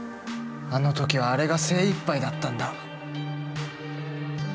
あの時はあれが精いっぱいだったんだ。